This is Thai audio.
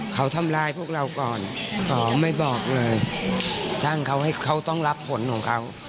เขาทำร้ายพวกเราก่อนเขาไม่บอกเลยจ้างเขาให้เขาต้องรับผลของเขา